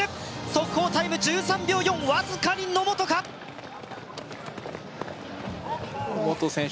速報タイム１３秒４わずかに野本か野本選手